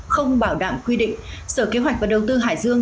không bảo đảm quy định sở kế hoạch và đầu tư hải dương